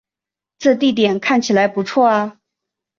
这地点看起来不错啊